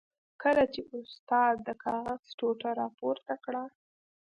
کله چې استاد د کاغذ ټوټه را پورته کړه.